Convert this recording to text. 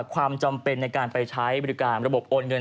ความจำเป็นในการไปใช้บริการระบบโอนเงิน